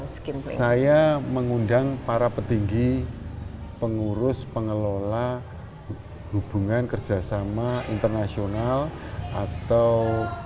saya mengundang para petinggi pengurus pengelola hubungan kerjasama internasional atau